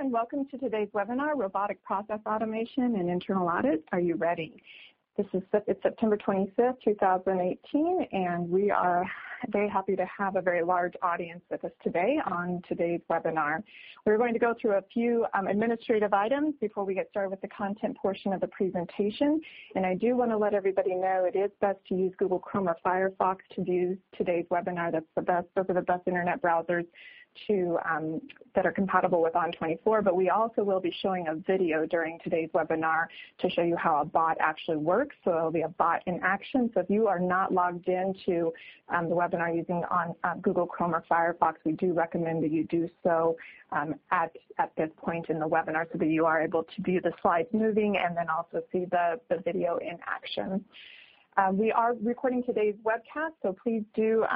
Hello, welcome to today's webinar, Robotic Process Automation in Internal Audit. Are you ready? This is September 25th, 2018, we are very happy to have a very large audience with us today on today's webinar. We're going to go through a few administrative items before we get started with the content portion of the presentation. I do want to let everybody know it is best to use Google Chrome or Firefox to view today's webinar. Those are the best internet browsers that are compatible with ON24. We also will be showing a video during today's webinar to show you how a bot actually works. It'll be a bot in action. If you are not logged into the webinar using Google Chrome or Firefox, we do recommend that you do so at this point in the webinar so that you are able to view the slides moving also see the video in action. We are recording today's webcast, please do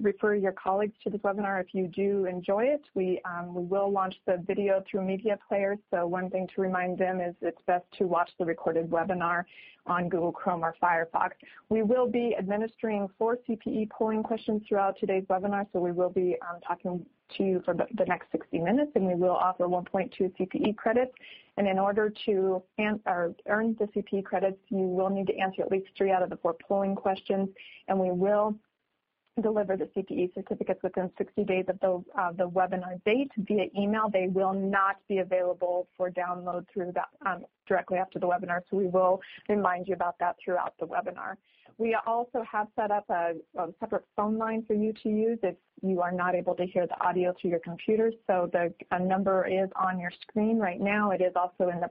refer your colleagues to this webinar if you do enjoy it. We will launch the video through a media player. One thing to remind them is it's best to watch the recorded webinar on Google Chrome or Firefox. We will be administering four CPE polling questions throughout today's webinar, we will be talking to you for the next 60 minutes, we will offer 1.2 CPE credits. In order to earn the CPE credits, you will need to answer at least three out of the four polling questions, we will deliver the CPE certificates within 60 days of the webinar date via email. They will not be available for download directly after the webinar, we will remind you about that throughout the webinar. We also have set up a separate phone line for you to use if you are not able to hear the audio through your computer. The number is on your screen right now. It is also in the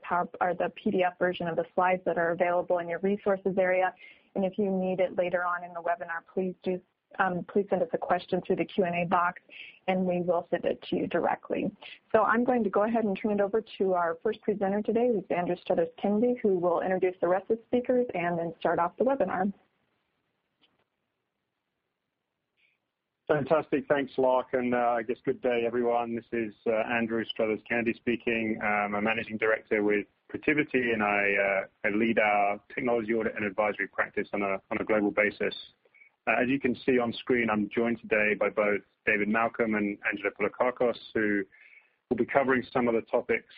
PDF version of the slides that are available in your resources area. If you need it later on in the webinar, please send us a question through the Q&A box and we will send it to you directly. I'm going to go ahead and turn it over to our first presenter today, who's Andrew Struthers-Candy, who will introduce the rest of the speakers start off the webinar. Fantastic. Thanks, Lark. I guess good day, everyone. This is Andrew Struthers-Candy speaking. I'm a managing director with Protiviti, and I lead our technology audit and advisory practice on a global basis. As you can see on screen, I'm joined today by both David Malcom and Angelo Poulakos, who will be covering some of the topics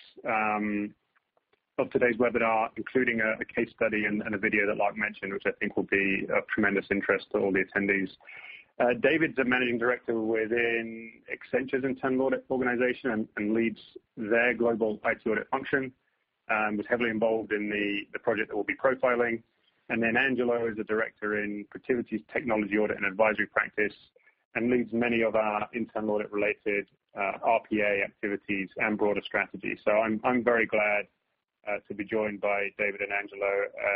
of today's webinar, including a case study and a video that Lark mentioned, which I think will be of tremendous interest to all the attendees. David's a managing director within Accenture's internal audit organization and leads their global IT audit function, and was heavily involved in the project that we'll be profiling. Angelo is a director in Protiviti's technology audit and advisory practice and leads many of our internal audit-related RPA activities and broader strategies. I'm very glad to be joined by David and Angelo,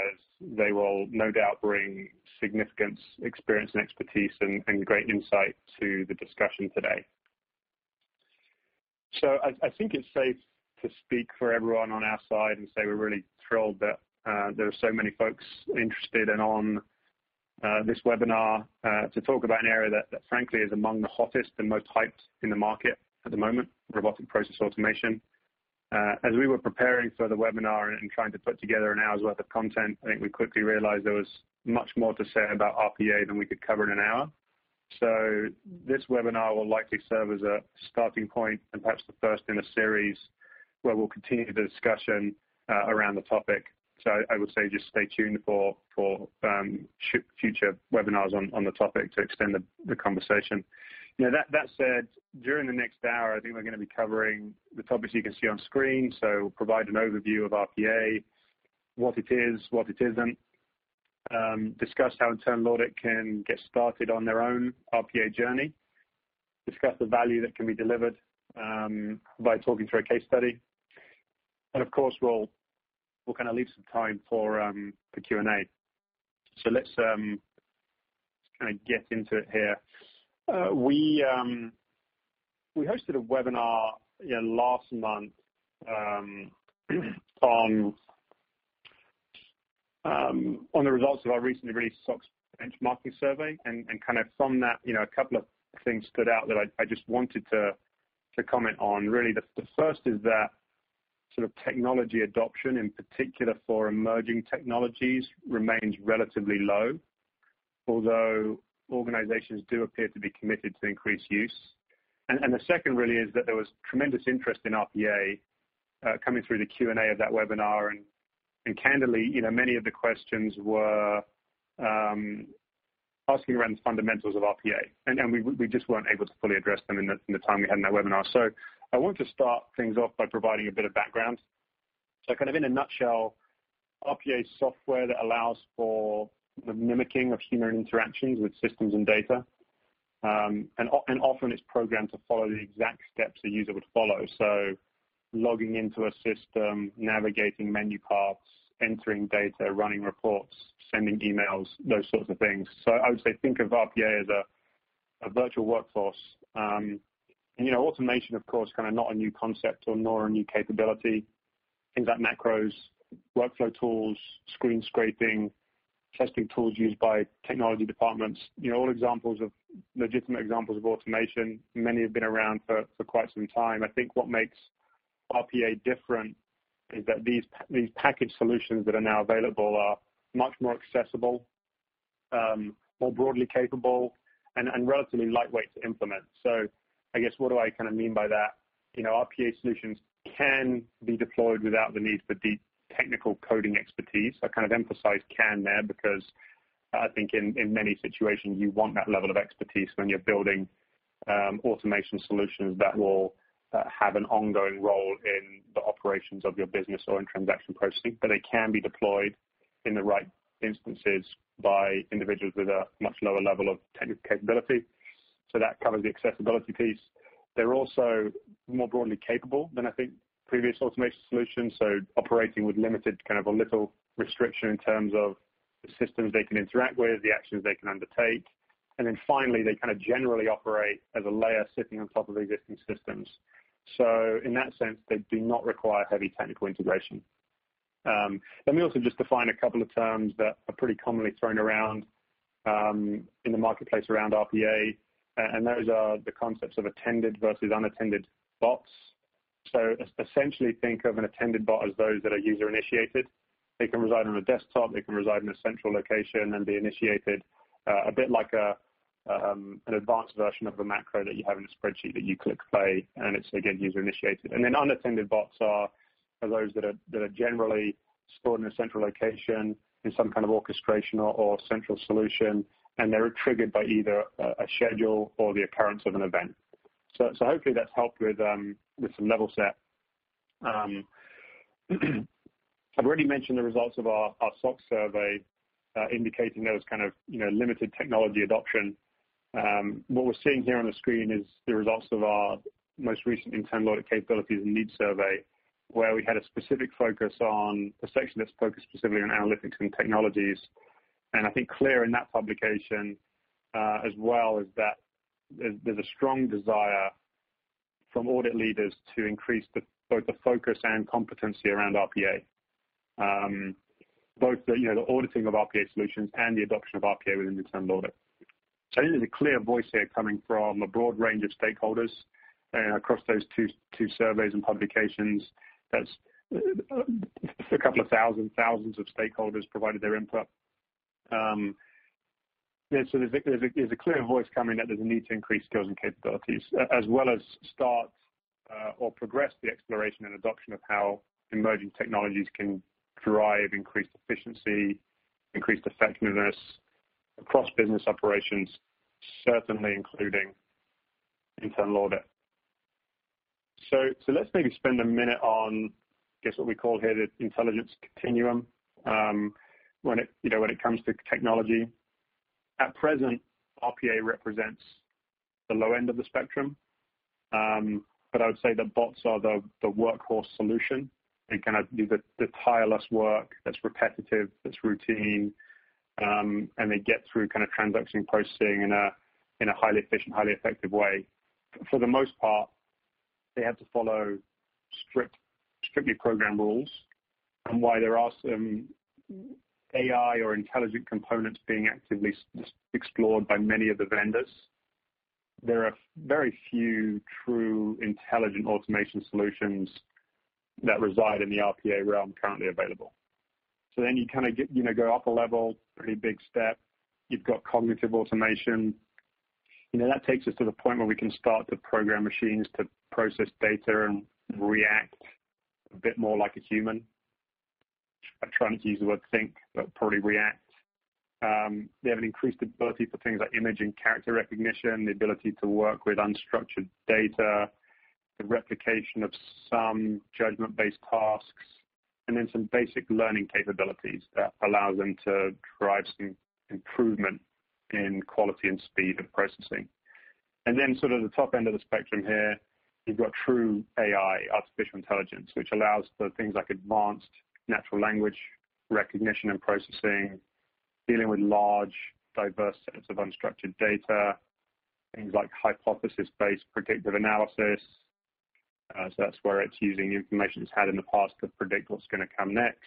as they will no doubt bring significant experience and expertise and great insight to the discussion today. I think it's safe to speak for everyone on our side and say we're really thrilled that there are so many folks interested and on this webinar, to talk about an area that, frankly, is among the hottest and most hyped in the market at the moment, robotic process automation. As we were preparing for the webinar and trying to put together an hour's worth of content, I think we quickly realized there was much more to say about RPA than we could cover in an hour. This webinar will likely serve as a starting point and perhaps the first in a series where we'll continue the discussion around the topic. I would say just stay tuned for future webinars on the topic to extend the conversation. That said, during the next hour, I think we're going to be covering the topics you can see on screen. Provide an overview of RPA, what it is, what it isn't, discuss how internal audit can get started on their own RPA journey, discuss the value that can be delivered by talking through a case study, and of course, we'll leave some time for the Q&A. Let's get into it here. We hosted a webinar last month on the results of our recently released SOX benchmarking survey, and from that, a couple of things stood out that I just wanted to comment on, really. The first is that technology adoption, in particular for emerging technologies, remains relatively low, although organizations do appear to be committed to increased use. The second really is that there was tremendous interest in RPA coming through the Q&A of that webinar. Candidly, many of the questions were asking around the fundamentals of RPA, and we just weren't able to fully address them in the time we had in that webinar. I want to start things off by providing a bit of background. Kind of in a nutshell, RPA is software that allows for the mimicking of human interactions with systems and data. Often it's programmed to follow the exact steps a user would follow. Logging into a system, navigating menu paths, entering data, running reports, sending emails, those sorts of things. I would say, think of RPA as a virtual workforce. Automation, of course, not a new concept nor a new capability. Things like macros, workflow tools, screen scraping, testing tools used by technology departments, all legitimate examples of automation. Many have been around for quite some time. I think what makes RPA different is that these packaged solutions that are now available are much more accessible, more broadly capable and relatively lightweight to implement. I guess what do I mean by that? RPA solutions can be deployed without the need for deep technical coding expertise. I kind of emphasized "can" there because I think in many situations you want that level of expertise when you're building automation solutions that will have an ongoing role in the operations of your business or in transaction processing. They can be deployed in the right instances by individuals with a much lower level of technical capability. That covers the accessibility piece. They're also more broadly capable than I think previous automation solutions, so operating with limited, a little restriction in terms of the systems they can interact with, the actions they can undertake. Finally, they generally operate as a layer sitting on top of existing systems. In that sense, they do not require heavy technical integration. Let me also just define a couple of terms that are pretty commonly thrown around in the marketplace around RPA, and those are the concepts of attended versus unattended bots. Essentially think of an attended bot as those that are user-initiated. They can reside on a desktop, they can reside in a central location and be initiated, a bit like an advanced version of a macro that you have in a spreadsheet that you click play, and it's again, user-initiated. Unattended bots are those that are generally stored in a central location in some kind of orchestration or central solution, and they're triggered by either a schedule or the appearance of an event. Hopefully that's helped with some level set. I've already mentioned the results of our SOX survey, indicating those kind of limited technology adoption. What we're seeing here on the screen is the results of our most recent internal audit capabilities and needs survey, where we had a section that's focused specifically on analytics and technologies. I think clear in that publication, as well is that there's a strong desire from audit leaders to increase both the focus and competency around RPA. Both the auditing of RPA solutions and the adoption of RPA within internal audit. I think there's a clear voice here coming from a broad range of stakeholders, and across those two surveys and publications, that's a couple of thousands. Thousands of stakeholders provided their input. There's a clear voice coming that there's a need to increase skills and capabilities as well as start or progress the exploration and adoption of how emerging technologies can drive increased efficiency, increased effectiveness across business operations, certainly including internal audit. Let's maybe spend a minute on, I guess what we call here, the intelligence continuum. When it comes to technology. At present, RPA represents the low end of the spectrum. I would say the bots are the workhorse solution. They kind of do the tireless work that's repetitive, that's routine, and they get through transaction processing in a highly efficient, highly effective way. For the most part, they have to follow strictly programmed rules. While there are some AI or intelligent components being actively explored by many of the vendors, there are very few true intelligent automation solutions that reside in the RPA realm currently available. You go up a level, pretty big step. You've got cognitive automation. That takes us to the point where we can start to program machines to process data and react a bit more like a human. I'm trying to use the word think, but probably react. They have an increased ability for things like image and character recognition, the ability to work with unstructured data, the replication of some judgment-based tasks, and then some basic learning capabilities that allow them to drive some improvement in quality and speed of processing. The top end of the spectrum here, you've got true AI, artificial intelligence, which allows for things like advanced natural language recognition and processing, dealing with large, diverse sets of unstructured data, things like hypothesis-based predictive analysis. That's where it's using information it's had in the past to predict what's going to come next.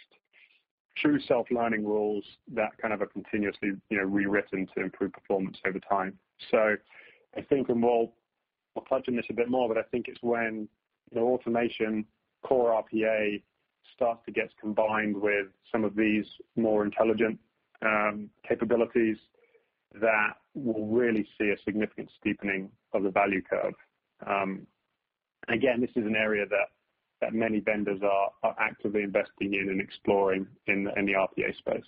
True self-learning rules that are continuously rewritten to improve performance over time. I think, and we'll touch on this a bit more, but I think it's when the automation core RPA starts to get combined with some of these more intelligent capabilities that we'll really see a significant steepening of the value curve. Again, this is an area that many vendors are actively investing in and exploring in the RPA space.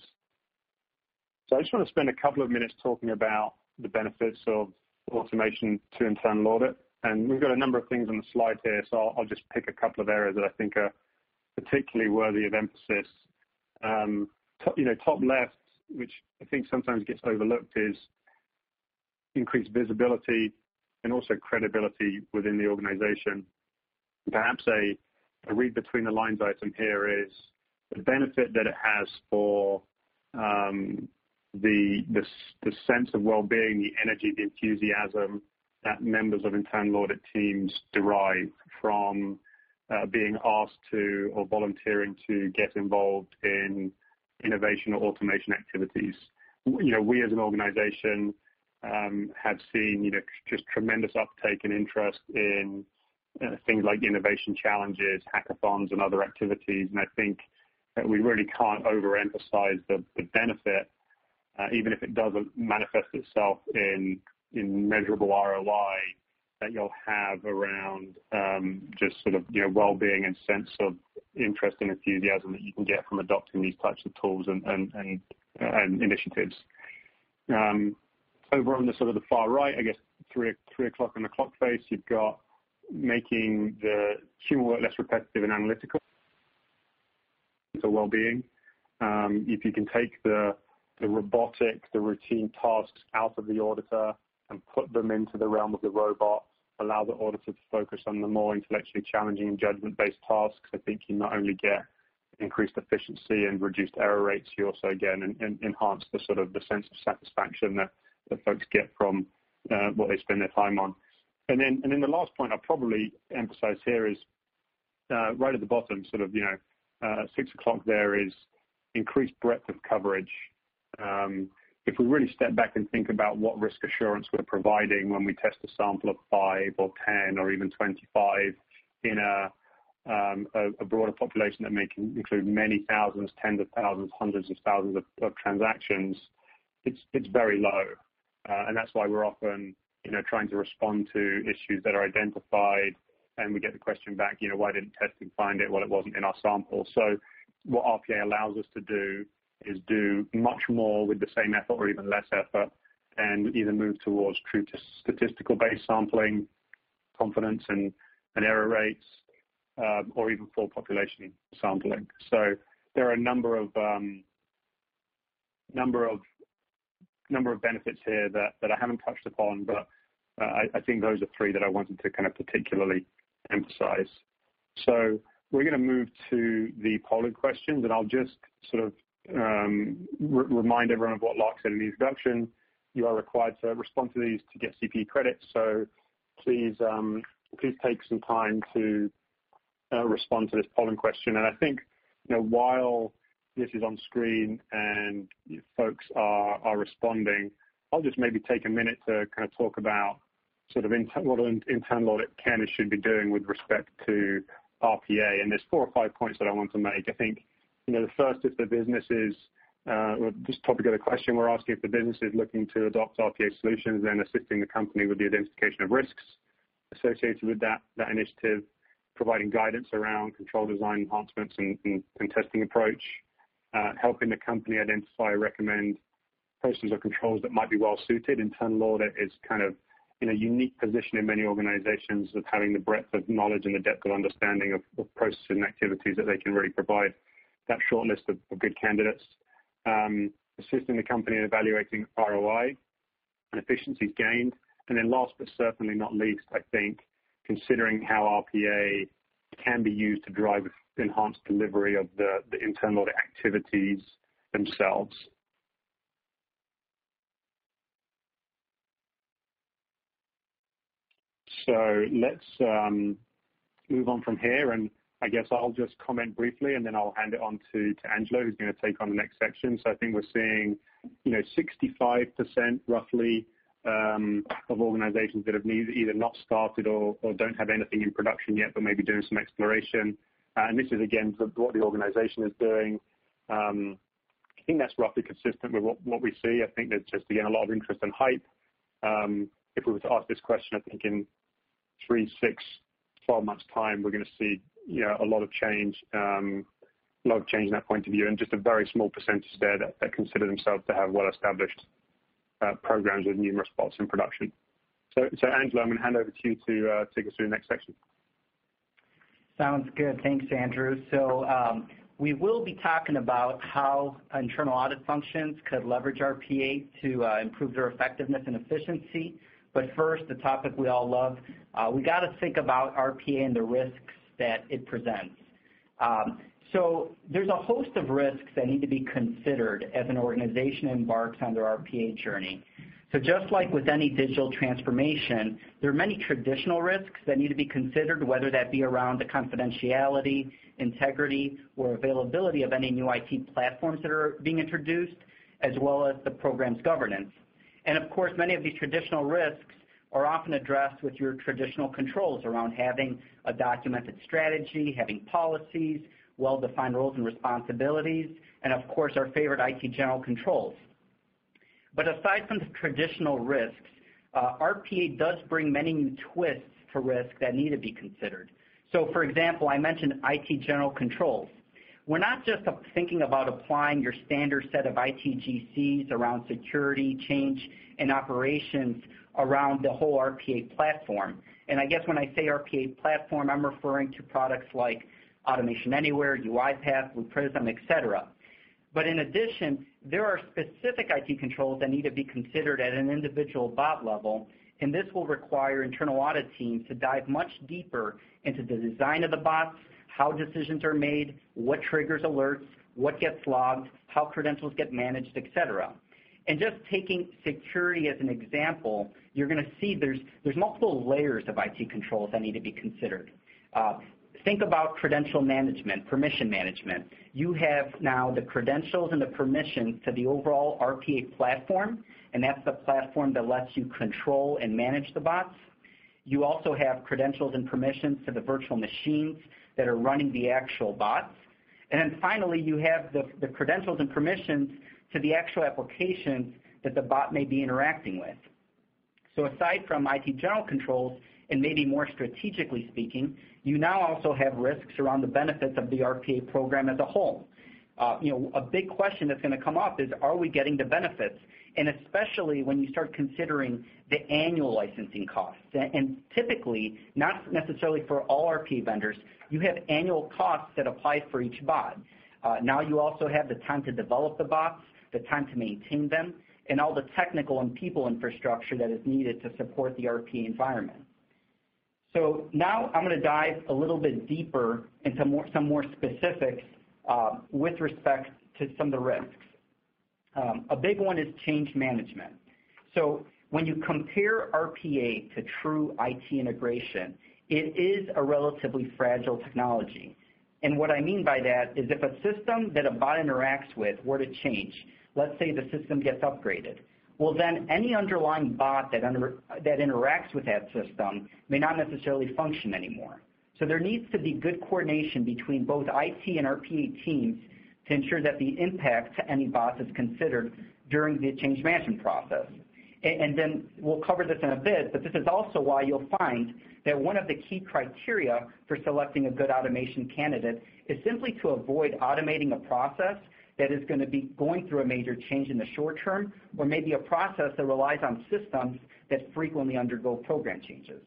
I just want to spend a couple of minutes talking about the benefits of automation to internal audit. We've got a number of things on the slide here, so I'll just pick a couple of areas that I think are particularly worthy of emphasis. Top left, which I think sometimes gets overlooked, is increased visibility and also credibility within the organization. Perhaps a read between the lines item here is the benefit that it has for the sense of well-being, the energy, the enthusiasm that members of internal audit teams derive from being asked to or volunteering to get involved in innovation or automation activities. We as an organization have seen just tremendous uptake and interest in things like innovation challenges, hackathons, and other activities. I think that we really can't overemphasize the benefit, even if it doesn't manifest itself in measurable ROI that you'll have around just sort of, well-being and sense of interest and enthusiasm that you can get from adopting these types of tools and initiatives. Over on the sort of the far right, I guess three o'clock on the clock face, you've got making the human work less repetitive and analytical. Well-being. If you can take the robotic, the routine tasks out of the auditor and put them into the realm of the robot, allow the auditor to focus on the more intellectually challenging and judgment-based tasks. I think you not only get increased efficiency and reduced error rates, you also again, enhance the sort of the sense of satisfaction that the folks get from what they spend their time on. The last point I'd probably emphasize here is, right at the bottom, sort of six o'clock there is increased breadth of coverage. If we really step back and think about what risk assurance we're providing when we test a sample of five or 10 or even 25 in a broader population that may include many thousands, tens of thousands, hundreds of thousands of transactions, it's very low. That's why we're often trying to respond to issues that are identified, and we get the question back, "Why didn't testing find it?" Well, it wasn't in our sample. What RPA allows us to do is do much more with the same effort or even less effort, and either move towards true to statistical-based sampling, confidence, and error rates, or even full population sampling. There are a number of benefits here that I haven't touched upon, but I think those are three that I wanted to kind of particularly emphasize. We're going to move to the polling question, but I'll just sort of remind everyone of what Lark said in the introduction. You are required to respond to these to get CPE credit. Please take some time to respond to this polling question. I think, while this is on screen and folks are responding, I'll just maybe take a minute to kind of talk about sort of internal audit can and should be doing with respect to RPA, and there's four or five points that I want to make. I think, if the business is looking to adopt RPA solutions, then assisting the company with the identification of risks associated with that initiative, providing guidance around control design enhancements and contesting approach, helping the company identify or recommend processes or controls that might be well-suited. Internal audit is kind of in a unique position in many organizations of having the breadth of knowledge and the depth of understanding of processes and activities that they can really provide that short list of good candidates. Assisting the company in evaluating ROI and efficiencies gained. Last but certainly not least, I think considering how RPA can be used to drive enhanced delivery of the internal audit activities themselves. Let's move on from here, and I guess I'll just comment briefly, then I'll hand it on to Angelo, who's going to take on the next section. I think we're seeing 65%, roughly, of organizations that have either not started or don't have anything in production yet, but may be doing some exploration. This is, again, what the organization is doing. I think that's roughly consistent with what we see. I think there's just, again, a lot of interest and hype. If we were to ask this question, I think in three, six, 12 months time, we're going to see a lot of change in that point of view, and just a very small percentage there that consider themselves to have well-established programs with numerous bots in production. Angelo, I'm going to hand over to you to take us to the next section. Sounds good. Thanks, Andrew. We will be talking about how internal audit functions could leverage RPA to improve their effectiveness and efficiency. First, the topic we all love, we got to think about RPA and the risks that it presents. There's a host of risks that need to be considered as an organization embarks on their RPA journey. Just like with any digital transformation, there are many traditional risks that need to be considered, whether that be around the confidentiality, integrity, or availability of any new IT platforms that are being introduced, as well as the program's governance. Of course, many of these traditional risks are often addressed with your traditional controls around having a documented strategy, having policies, well-defined roles and responsibilities, and of course, our favorite IT general controls. Aside from the traditional risks, RPA does bring many new twists to risk that need to be considered. For example, I mentioned IT general controls. We're not just thinking about applying your standard set of ITGCs around security, change, and operations around the whole RPA platform. I guess when I say RPA platform, I'm referring to products like Automation Anywhere, UiPath, Blue Prism, et cetera. In addition, there are specific IT controls that need to be considered at an individual bot level, and this will require internal audit teams to dive much deeper into the design of the bots, how decisions are made, what triggers alerts, what gets logged, how credentials get managed, et cetera. Just taking security as an example, you're going to see there's multiple layers of IT controls that need to be considered. Think about credential management, permission management. You have now the credentials and the permissions to the overall RPA platform, and that's the platform that lets you control and manage the bots. You also have credentials and permissions to the virtual machines that are running the actual bots. Finally, you have the credentials and permissions to the actual applications that the bot may be interacting with. Aside from IT general controls and maybe more strategically speaking, you now also have risks around the benefits of the RPA program as a whole. A big question that's going to come up is, are we getting the benefits? Especially when you start considering the annual licensing costs. Typically, not necessarily for all RP vendors, you have annual costs that apply for each bot. Now you also have the time to develop the bots, the time to maintain them, and all the technical and people infrastructure that is needed to support the RP environment. Now I'm going to dive a little bit deeper into some more specifics, with respect to some of the risks. A big one is change management. When you compare RPA to true IT integration, it is a relatively fragile technology. What I mean by that is if a system that a bot interacts with were to change, let's say the system gets upgraded, well, then any underlying bot that interacts with that system may not necessarily function anymore. There needs to be good coordination between both IT and RP teams to ensure that the impact to any bot is considered during the change management process. We'll cover this in a bit, this is also why you'll find that one of the key criteria for selecting a good automation candidate is simply to avoid automating a process that is going to be going through a major change in the short term, or maybe a process that relies on systems that frequently undergo program changes.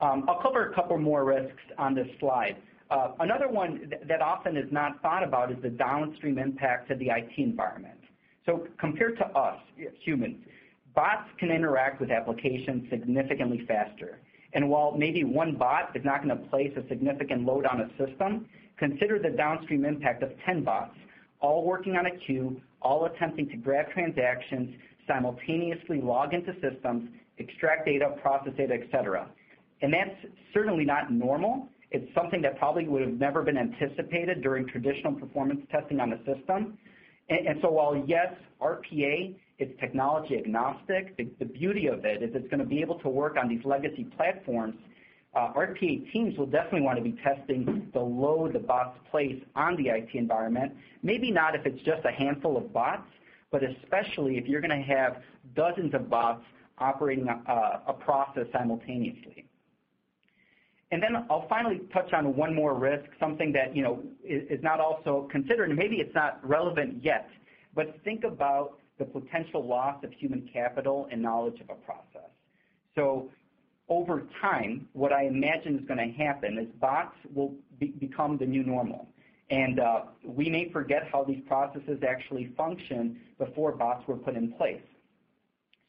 I'll cover a couple more risks on this slide. Another one that often is not thought about is the downstream impact to the IT environment. Compared to us humans, bots can interact with applications significantly faster. While maybe one bot is not going to place a significant load on a system, consider the downstream impact of 10 bots all working on a queue, all attempting to grab transactions, simultaneously log into systems, extract data, process data, et cetera. That's certainly not normal. It's something that probably would have never been anticipated during traditional performance testing on a system. While, yes, RPA is technology agnostic, the beauty of it is it's going to be able to work on these legacy platforms. RPA teams will definitely want to be testing the load the bots place on the IT environment. Maybe not if it's just a handful of bots, especially if you're going to have dozens of bots operating a process simultaneously. I'll finally touch on one more risk, something that is not also considered, maybe it's not relevant yet, think about the potential loss of human capital and knowledge of a process. Over time, what I imagine is going to happen is bots will become the new normal, we may forget how these processes actually functioned before bots were put in place.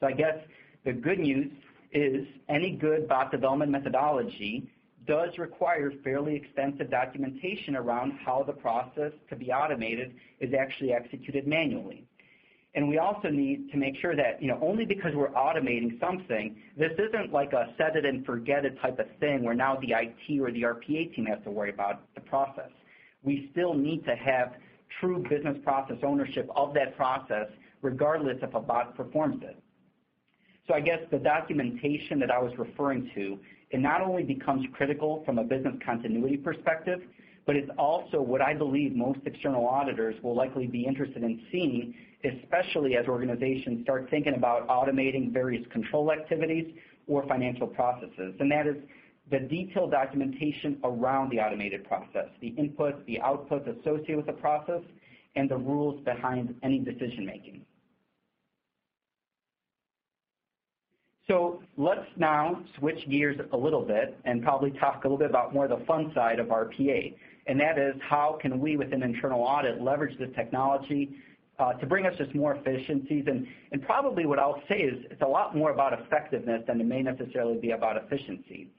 I guess the good news is any good bot development methodology does require fairly extensive documentation around how the process to be automated is actually executed manually. We also need to make sure that only because we're automating something, this isn't like a set-it-and-forget-it type of thing where now the IT or the RPA team has to worry about the process. We still need to have true business process ownership of that process, regardless if a bot performs it. I guess the documentation that I was referring to, it not only becomes critical from a business continuity perspective, it's also what I believe most external auditors will likely be interested in seeing, especially as organizations start thinking about automating various control activities or financial processes. That is the detailed documentation around the automated process, the inputs, the outputs associated with the process, the rules behind any decision-making. Let's now switch gears a little bit and probably talk a little bit about more the fun side of RPA, that is how can we, within internal audit, leverage the technology to bring us just more efficiencies. Probably what I'll say is it's a lot more about effectiveness than it may necessarily be about efficiency.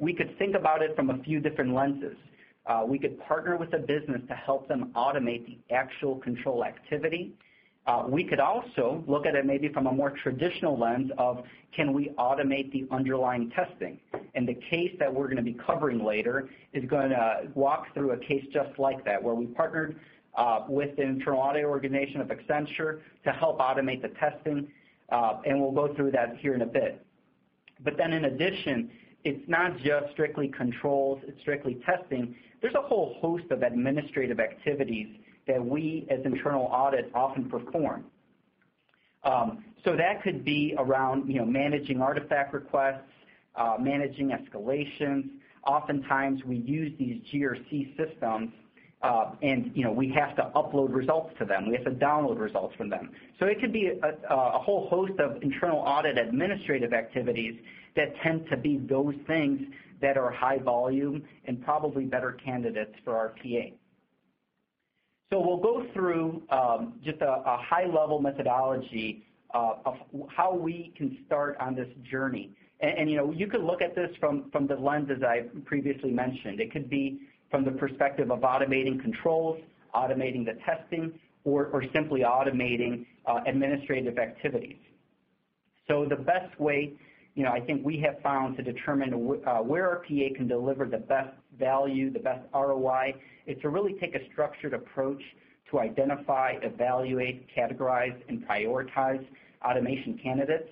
We could think about it from a few different lenses. We could partner with a business to help them automate the actual control activity. We could also look at it maybe from a more traditional lens of can we automate the underlying testing? The case that we're going to be covering later is going to walk through a case just like that, where we partnered with the internal audit organization of Accenture to help automate the testing. We'll go through that here in a bit. In addition, it's not just strictly controls, it's strictly testing. There's a whole host of administrative activities that we, as internal audit, often perform. That could be around managing artifact requests, managing escalations. Oftentimes, we use these GRC systems, and we have to upload results to them. We have to download results from them. It could be a whole host of internal audit administrative activities that tend to be those things that are high volume and probably better candidates for RPA. We'll go through just a high-level methodology of how we can start on this journey. You could look at this from the lens, as I previously mentioned. It could be from the perspective of automating controls, automating the testing, or simply automating administrative activities. The best way I think we have found to determine where RPA can deliver the best value, the best ROI, is to really take a structured approach to identify, evaluate, categorize, and prioritize automation candidates.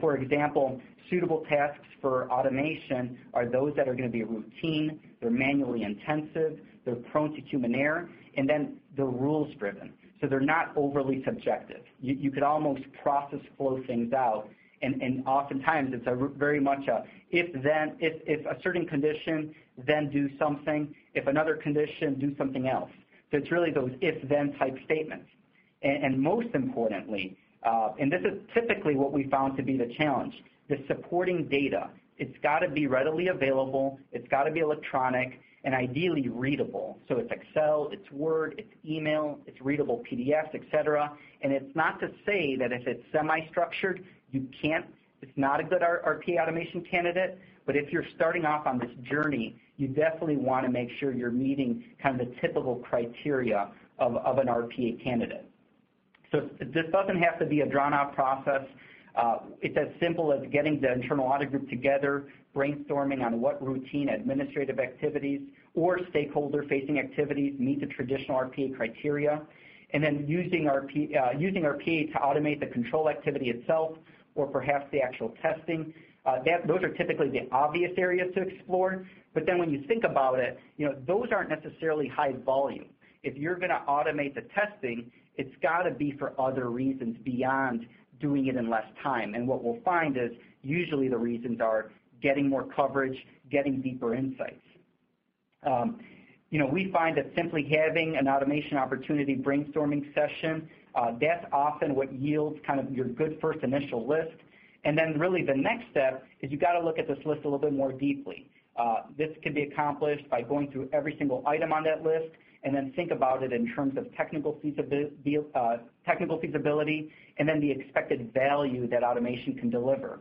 For example, suitable tasks for automation are those that are going to be routine, they're manually intensive, they're prone to human error, and then they're rules-driven, so they're not overly subjective. You could almost process flow things out, and oftentimes it's very much a if this certain condition, then do something. If another condition, do something else. It's really those if-then type statements. Most importantly, and this is typically what we found to be the challenge, the supporting data. It's got to be readily available, it's got to be electronic, and ideally readable. It's Excel, it's Word, it's email, it's readable PDFs, et cetera. It's not to say that if it's semi-structured, it's not a good RPA automation candidate, but if you're starting off on this journey, you definitely want to make sure you're meeting the typical criteria of an RPA candidate. This doesn't have to be a drawn-out process. It's as simple as getting the internal audit group together, brainstorming on what routine administrative activities or stakeholder-facing activities meet the traditional RPA criteria, and then using RPA to automate the control activity itself or perhaps the actual testing. Those are typically the obvious areas to explore. When you think about it, those aren't necessarily high volume. If you're going to automate the testing, it's got to be for other reasons beyond doing it in less time. What we'll find is usually the reasons are getting more coverage, getting deeper insights. We find that simply having an automation opportunity brainstorming session, that's often what yields your good first initial list. Really the next step is you got to look at this list a little bit more deeply. This can be accomplished by going through every single item on that list and then think about it in terms of technical feasibility, and then the expected value that automation can deliver.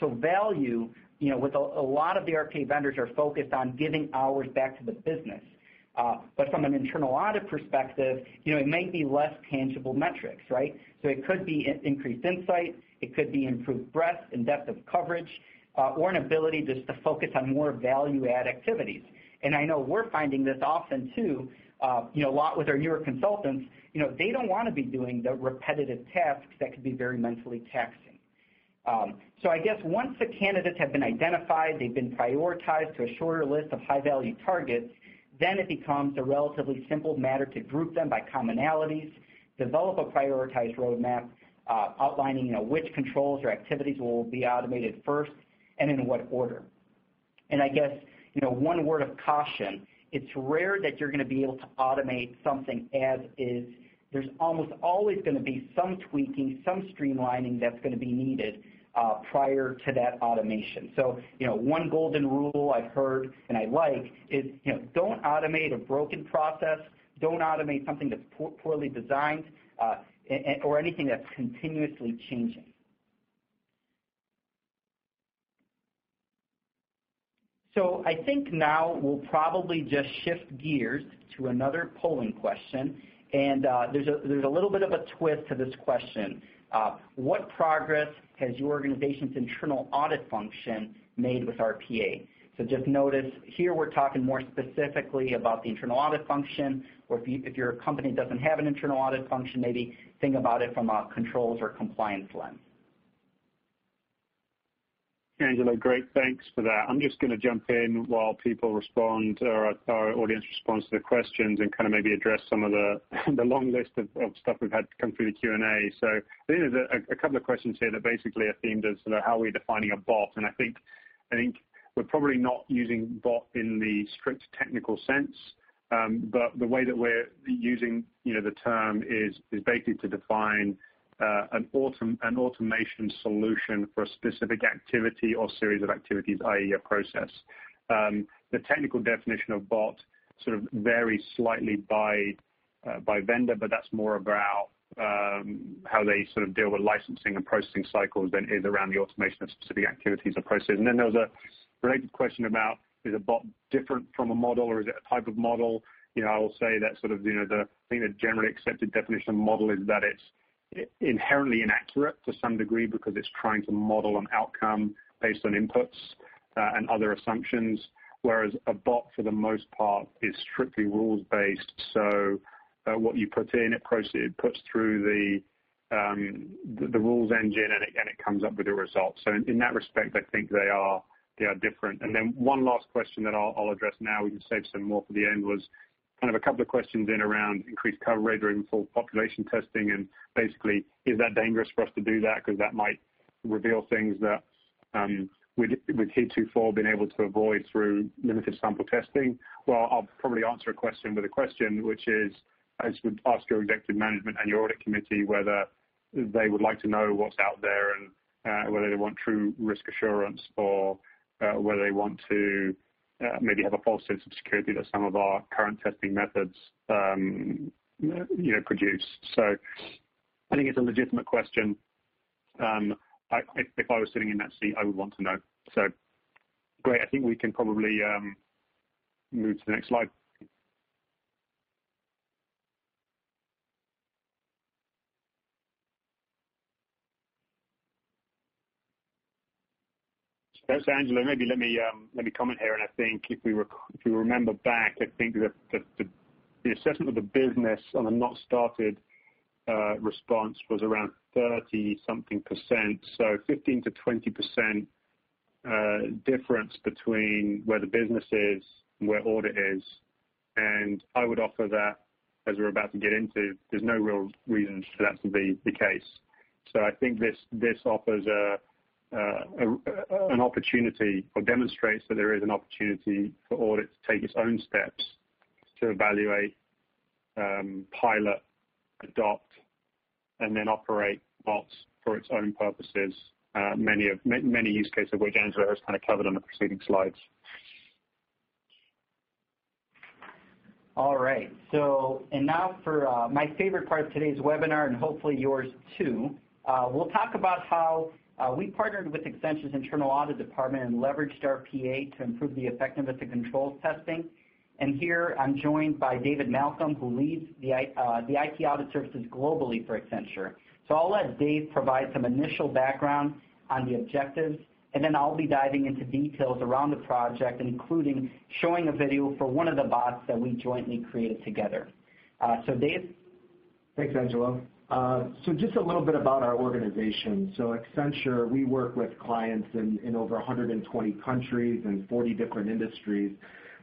Value, a lot of the RPA vendors are focused on giving hours back to the business. From an internal audit perspective, it might be less tangible metrics, right? It could be increased insight, it could be improved breadth and depth of coverage, or an ability just to focus on more value-add activities. I know we're finding this often, too, a lot with our newer consultants. They don't want to be doing the repetitive tasks that could be very mentally taxing. I guess once the candidates have been identified, they've been prioritized to a shorter list of high-value targets, then it becomes a relatively simple matter to group them by commonalities, develop a prioritized roadmap, outlining which controls or activities will be automated first and in what order. I guess, one word of caution, it's rare that you're going to be able to automate something as is. There's almost always going to be some tweaking, some streamlining that's going to be needed prior to that automation. One golden rule I've heard and I like is, don't automate a broken process, don't automate something that's poorly designed, or anything that's continuously changing. I think now we'll probably just shift gears to another polling question, and there's a little bit of a twist to this question. What progress has your organization's internal audit function made with RPA? Just notice here we're talking more specifically about the internal audit function, or if your company doesn't have an internal audit function, maybe think about it from a controls or compliance lens. Angelo, great. Thanks for that. I'm just going to jump in while people respond or our audience responds to the questions and kind of maybe address some of the long list of stuff we've had come through the Q&A. There's a couple of questions here that basically are themed as sort of how we're defining a bot, and I think we're probably not using bot in the strict technical sense. The way that we're using the term is basically to define an automation solution for a specific activity or series of activities, i.e., a process. The technical definition of bot sort of varies slightly by vendor, but that's more about how they sort of deal with licensing and processing cycles than it is around the automation of specific activities or processes. Then there was a related question about, is a bot different from a model, or is it a type of model? I will say that sort of the generally accepted definition of model is that it's inherently inaccurate to some degree because it's trying to model an outcome based on inputs and other assumptions, whereas a bot, for the most part, is strictly rules-based. What you put in, it puts through the rules engine, and it comes up with the results. In that respect, I think they are different. Then one last question that I'll address now, we can save some more for the end, was kind of a couple of questions in around increased coverage or full population testing, and basically, is that dangerous for us to do that because that might reveal things that we'd heretofore been able to avoid through limited sample testing? I'll probably answer a question with a question, which is, I would ask your executive management and your audit committee whether they would like to know what's out there and whether they want true risk assurance or whether they want to maybe have a false sense of security that some of our current testing methods produce. I think it's a legitimate question. If I was sitting in that seat, I would want to know. Great. I think we can probably move to the next slide. That's Angelo. Maybe let me comment here, I think if we remember back, I think the assessment of the business on a not started response was around 30 something percent. 15%-20% difference between where the business is and where audit is. I would offer that, as we're about to get into, there's no real reason for that to be the case. I think this offers an opportunity, or demonstrates that there is an opportunity for audit to take its own steps to evaluate, pilot, adopt, and then operate bots for its own purposes. Many use cases where Angelo has kind of covered on the preceding slides. All right. Now for my favorite part of today's webinar, and hopefully yours too, we'll talk about how we partnered with Accenture's internal audit department and leveraged RPA to improve the effectiveness of controls testing. Here I'm joined by David Malcom, who leads the IT audit services globally for Accenture. I'll let Dave provide some initial background on the objectives, and then I'll be diving into details around the project, including showing a video for one of the bots that we jointly created together. Dave? Thanks, Angelo. Just a little bit about our organization. Accenture, we work with clients in over 120 countries and 40 different industries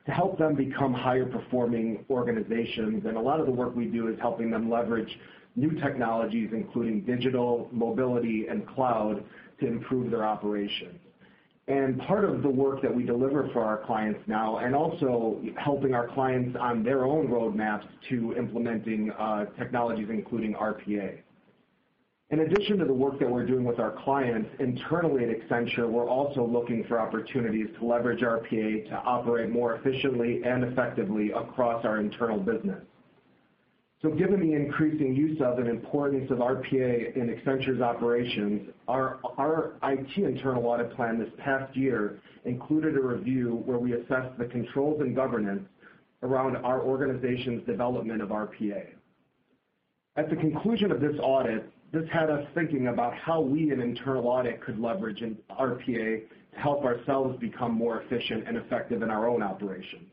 to help them become higher performing organizations. A lot of the work we do is helping them leverage new technologies, including digital, mobility, and cloud, to improve their operations. Part of the work that we deliver for our clients now, and also helping our clients on their own roadmaps to implementing technologies, including RPA. In addition to the work that we're doing with our clients internally at Accenture, we're also looking for opportunities to leverage RPA to operate more efficiently and effectively across our internal business. Given the increasing use of and importance of RPA in Accenture's operations, our IT internal audit plan this past year included a review where we assessed the controls and governance around our organization's development of RPA. At the conclusion of this audit, this had us thinking about how we in internal audit could leverage an RPA to help ourselves become more efficient and effective in our own operations.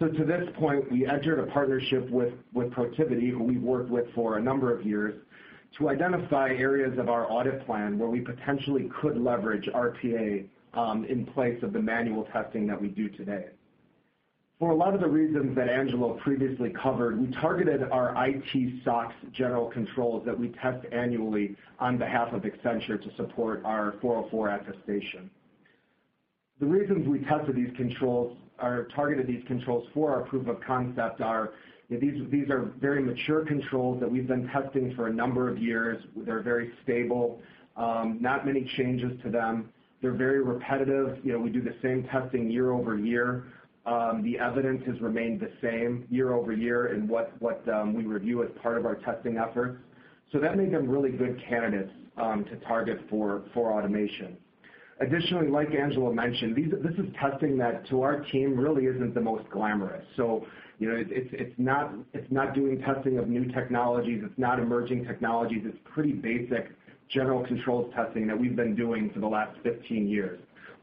To this point, we entered a partnership with Protiviti, who we've worked with for a number of years, to identify areas of our audit plan where we potentially could leverage RPA, in place of the manual testing that we do today. For a lot of the reasons that Angelo previously covered, we targeted our IT SOX general controls that we test annually on behalf of Accenture to support our 404 attestation. The reasons we tested these controls, or targeted these controls for our proof of concept are, these are very mature controls that we've been testing for a number of years. They're very stable, not many changes to them. They're very repetitive. We do the same testing year-over-year. The evidence has remained the same year-over-year in what we review as part of our testing efforts. That made them really good candidates to target for automation. Additionally, like Angelo mentioned, this is testing that to our team really isn't the most glamorous. It's not doing testing of new technologies, it's not emerging technologies. It's pretty basic general controls testing that we've been doing for the last 15 years.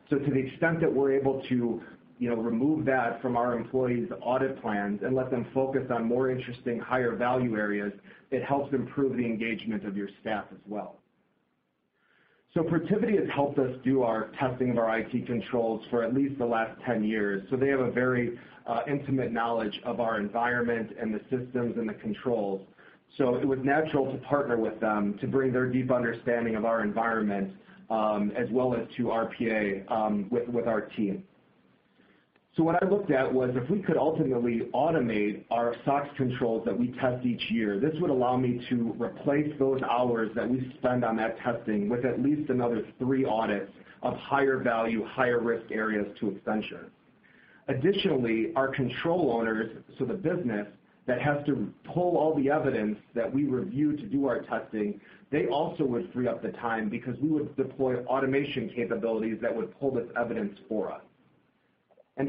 To the extent that we're able to remove that from our employees' audit plans and let them focus on more interesting, higher value areas, it helps improve the engagement of your staff as well. Protiviti has helped us do our testing of our IT controls for at least the last 10 years. They have a very intimate knowledge of our environment and the systems and the controls. It was natural to partner with them to bring their deep understanding of our environment, as well as to RPA, with our team. What I looked at was if we could ultimately automate our SOX controls that we test each year, this would allow me to replace those hours that we spend on that testing with at least another three audits of higher value, higher risk areas to Accenture. Additionally, our control owners, the business that has to pull all the evidence that we review to do our testing, they also would free up the time because we would deploy automation capabilities that would pull this evidence for us.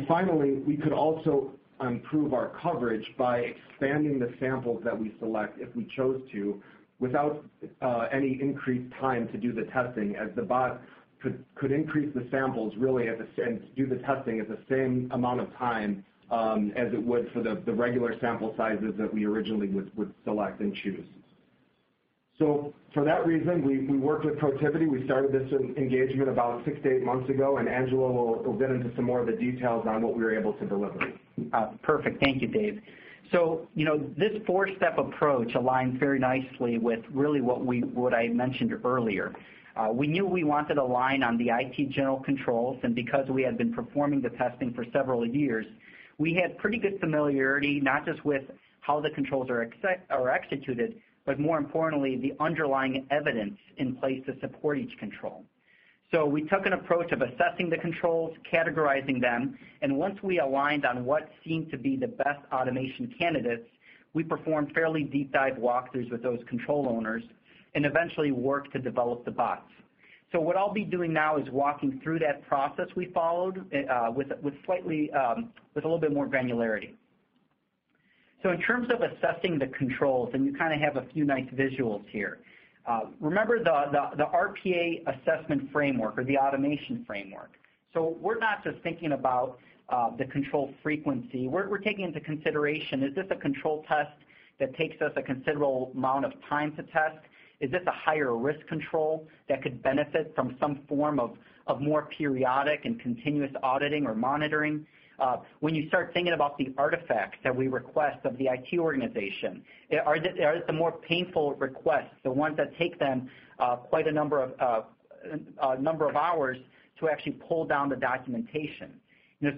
Finally, we could also improve our coverage by expanding the samples that we select if we chose to, without any increased time to do the testing, as the bot could increase the samples, really, and do the testing at the same amount of time as it would for the regular sample sizes that we originally would select and choose. For that reason, we worked with Protiviti. We started this engagement about six to eight months ago, and Angelo will get into some more of the details on what we were able to deliver. Perfect. Thank you, Dave. This four-step approach aligns very nicely with really what I had mentioned earlier. We knew we wanted a line on the IT general controls, and because we had been performing the testing for several years, we had pretty good familiarity, not just with how the controls are executed, but more importantly, the underlying evidence in place to support each control. We took an approach of assessing the controls, categorizing them, and once we aligned on what seemed to be the best automation candidates, we performed fairly deep dive walkthroughs with those control owners and eventually worked to develop the bots. What I'll be doing now is walking through that process we followed with a little bit more granularity. In terms of assessing the controls, and you have a few nice visuals here. Remember the RPA assessment framework or the automation framework. We're not just thinking about the control frequency. We're taking into consideration, is this a control test that takes us a considerable amount of time to test? Is this a higher risk control that could benefit from some form of more periodic and continuous auditing or monitoring? When you start thinking about the artifacts that we request of the IT organization, are they the more painful requests, the ones that take them quite a number of hours to actually pull down the documentation?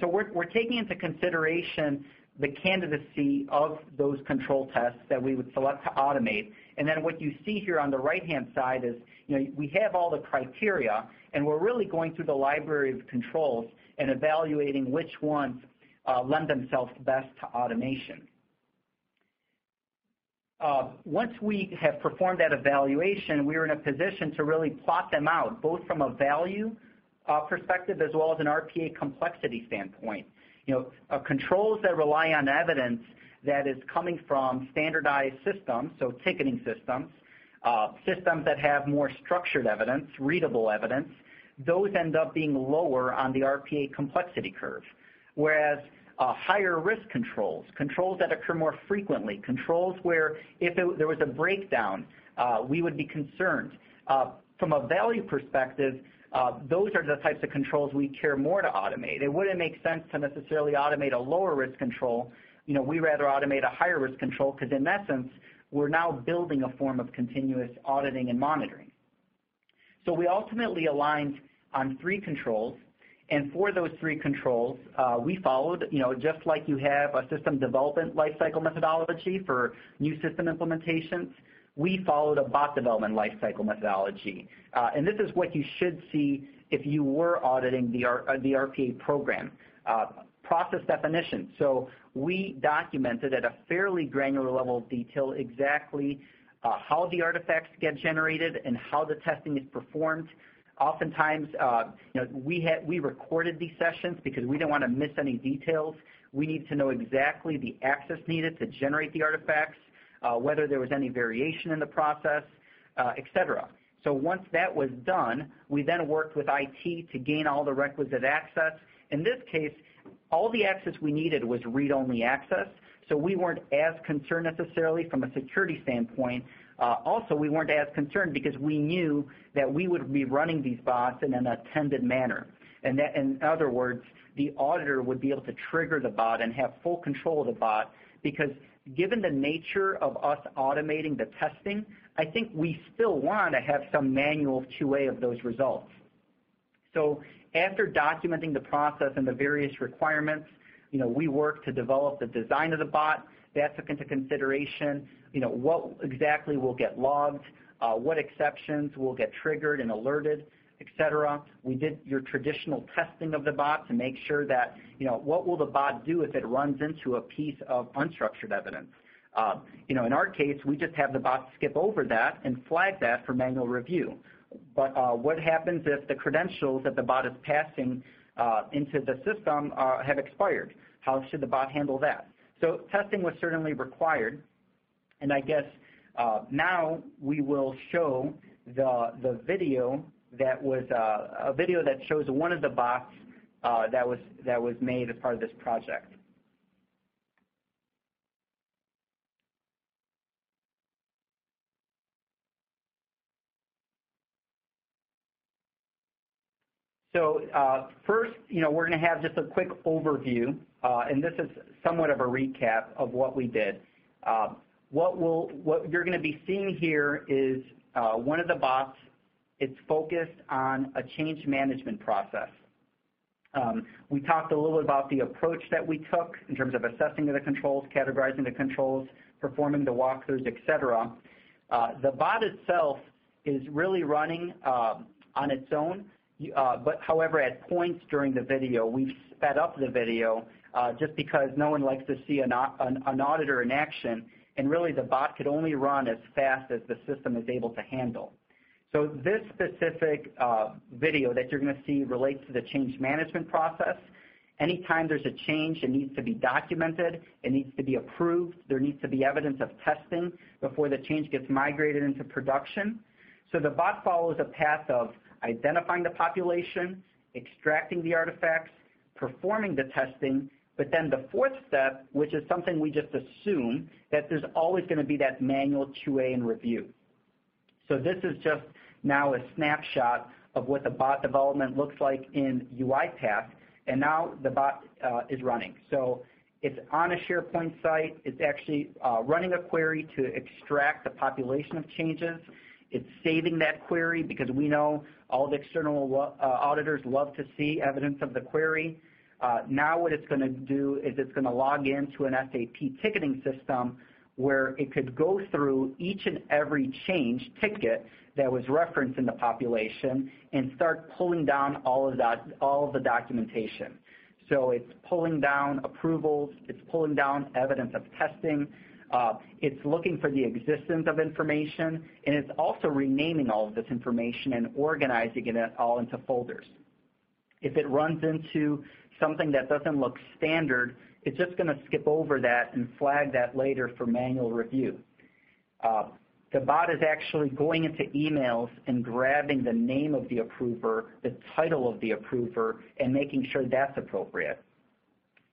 We're taking into consideration the candidacy of those control tests that we would select to automate. What you see here on the right-hand side is, we have all the criteria, and we're really going through the library of controls and evaluating which ones lend themselves best to automation. Once we have performed that evaluation, we are in a position to really plot them out, both from a value perspective as well as an RPA complexity standpoint. Controls that rely on evidence that is coming from standardized systems, so ticketing systems that have more structured evidence, readable evidence, those end up being lower on the RPA complexity curve. Whereas higher risk controls that occur more frequently, controls where if there was a breakdown, we would be concerned. From a value perspective, those are the types of controls we care more to automate. It wouldn't make sense to necessarily automate a lower risk control. We'd rather automate a higher risk control because in essence, we're now building a form of continuous auditing and monitoring. We ultimately aligned on three controls, and for those three controls, we followed, just like you have a system development life cycle methodology for new system implementations, we followed a bot development life cycle methodology. This is what you should see if you were auditing the RPA program. Process definition. We documented at a fairly granular level of detail exactly how the artifacts get generated and how the testing is performed. Oftentimes, we recorded these sessions because we didn't want to miss any details. We need to know exactly the access needed to generate the artifacts, whether there was any variation in the process, et cetera. Once that was done, we then worked with IT to gain all the requisite access. In this case, all the access we needed was read-only access, so we weren't as concerned necessarily from a security standpoint. We weren't as concerned because we knew that we would be running these bots in an attended manner. In other words, the auditor would be able to trigger the bot and have full control of the bot because given the nature of us automating the testing, I think we still want to have some manual QA of those results. After documenting the process and the various requirements, we worked to develop the design of the bot that took into consideration what exactly will get logged, what exceptions will get triggered and alerted, et cetera. We did your traditional testing of the bot to make sure that, what will the bot do if it runs into a piece of unstructured evidence? In our case, we just have the bot skip over that and flag that for manual review. What happens if the credentials that the bot is passing into the system have expired? How should the bot handle that? Testing was certainly required, and I guess now we will show a video that shows one of the bots that was made as part of this project. First, we're going to have just a quick overview, and this is somewhat of a recap of what we did. What you're going to be seeing here is one of the bots. It's focused on a change management process. We talked a little bit about the approach that we took in terms of assessing the controls, categorizing the controls, performing the walkthroughs, et cetera. The bot itself is really running on its own. However, at points during the video, we've sped up the video, just because no one likes to see an auditor in action, and really the bot could only run as fast as the system is able to handle. This specific video that you're going to see relates to the change management process. Anytime there's a change, it needs to be documented, it needs to be approved, there needs to be evidence of testing before the change gets migrated into production. The bot follows a path of identifying the population, extracting the artifacts, performing the testing, but then the fourth step, which is something we just assume, that there's always going to be that manual QA and review. This is just now a snapshot of what the bot development looks like in UiPath, and now the bot is running. It's on a SharePoint site. It's actually running a query to extract the population of changes. It's saving that query because we know all the external auditors love to see evidence of the query. What it's going to do is it's going to log into an SAP ticketing system where it could go through each and every change ticket that was referenced in the population and start pulling down all of the documentation. It's pulling down approvals. It's pulling down evidence of testing. It's looking for the existence of information, and it's also renaming all of this information and organizing it all into folders. If it runs into something that doesn't look standard, it's just going to skip over that and flag that later for manual review. The bot is actually going into emails and grabbing the name of the approver, the title of the approver, and making sure that's appropriate.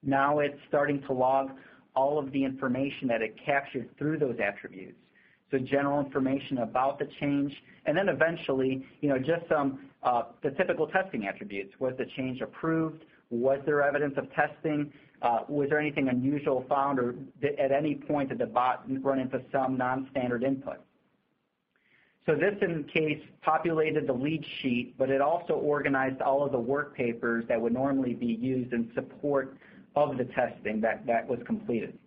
It's starting to log all of the information that it captured through those attributes, general information about the change, and then eventually, just some typical testing attributes. Was the change approved? Was there evidence of testing? Was there anything unusual found, or at any point did the bot run into some non-standard input? This, in case, populated the lead sheet, but it also organized all of the work papers that would normally be used in support of the testing that was completed.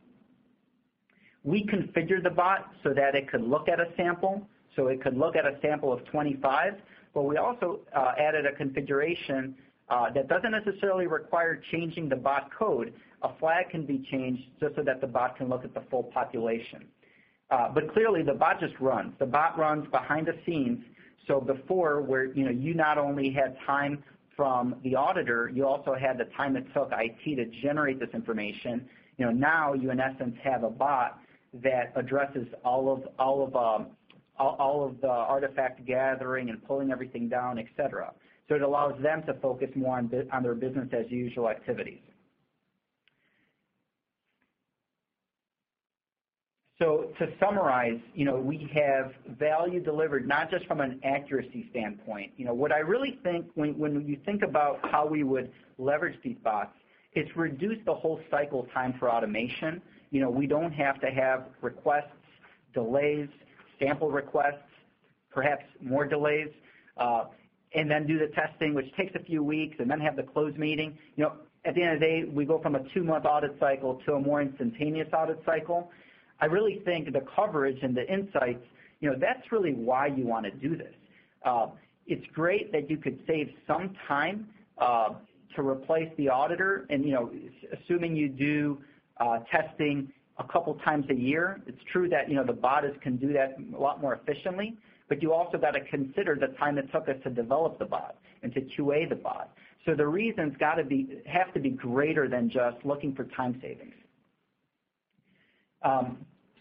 We configured the bot so that it could look at a sample of 25, we also added a configuration that doesn't necessarily require changing the bot code. A flag can be changed just so that the bot can look at the full population. Clearly, the bot just runs. The bot runs behind the scenes. Before, where you not only had time from the auditor, you also had the time it took IT to generate this information. Now, you in essence, have a bot that addresses all of the artifact gathering and pulling everything down, et cetera. It allows them to focus more on their business as usual activities. To summarize, we have value delivered, not just from an accuracy standpoint. What I really think when you think about how we would leverage these bots, it's reduced the whole cycle time for automation. We don't have to have requests, delays, sample requests, perhaps more delays, and then do the testing, which takes a few weeks, and then have the close meeting. At the end of the day, we go from a two-month audit cycle to a more instantaneous audit cycle. I really think the coverage and the insights, that's really why you want to do this. It's great that you could save some time to replace the auditor, and assuming you do testing a couple of times a year, it's true that the bot can do that a lot more efficiently. You also got to consider the time it took us to develop the bot and to QA the bot. The reasons have to be greater than just looking for time savings.